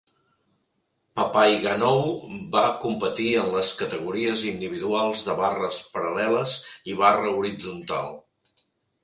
Papaigannou va competir en les categories individuals de barres paral·leles i barra horitzontal.